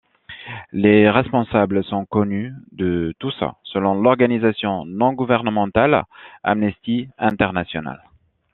Les responsables sont connus de tous selon l'organisation non gouvernementale Amnesty International.